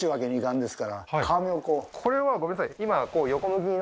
じゃけんこれはごめんなさい